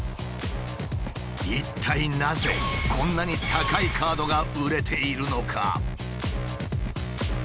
一体なぜこんなに高いカードが売れているのか？